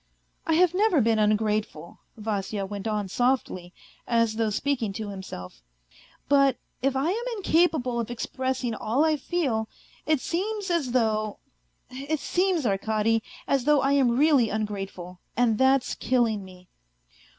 " I have never been ungrateful," Vasya went on softly, as though speaking to himself, " but if I am incapable of expressing all I feel, it seems as though ... it seems, Arkady, as though I am really ungrateful, and that's killing me."